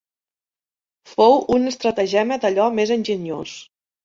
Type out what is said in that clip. Fou un estratagema d'allò més enginyós.